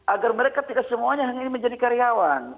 agar mereka tidak semuanya hanya ingin menjadi karyawan